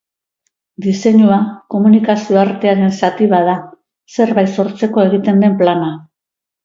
Diseinua komunikazio-artearen zati bat da, zerbait sortzeko egiten den plana.